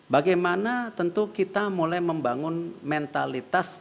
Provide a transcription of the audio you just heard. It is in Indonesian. bagaimana tentu kita mulai membangun mentalitas